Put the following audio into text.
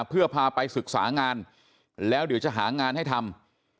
เพื่อพาไปศึกษางานแล้วเดี๋ยวจะหางานให้ทำ